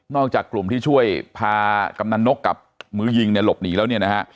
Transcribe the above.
จากกลุ่มที่ช่วยพากำนันนกกับมือยิงเนี่ยหลบหนีแล้วเนี่ยนะฮะ